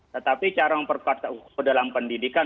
tetapi cara memperkuat dalam pendidikan